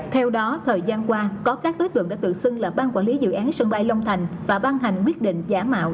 theo đó thời gian qua có các đối tượng đã tự xưng là ban quản lý dự án sân bay long thành và ban hành quyết định giả mạo